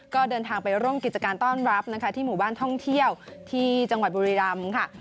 ก็เดินทางไปร่วมกิจกรรมต้อนรับนะคะที่หมู่บ้านท่องเที่ยวที่จังหวัดบุรีรำค่ะ